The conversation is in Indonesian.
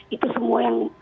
itu semua yang